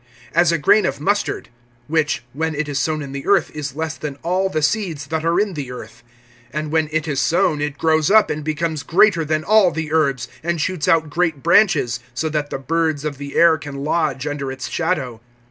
(31)As a grain of mustard; which, when it is sown in the earth, is less than all the seeds that are in the earth. (32)And when it is sown, it grows up, and becomes greater than all the herbs, and shoots out great branches; so that the birds of the air can lodge under its shadow.